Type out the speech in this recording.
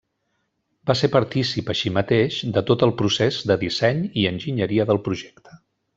Va ser partícip així mateix de tot el procés de disseny i enginyeria del projecte.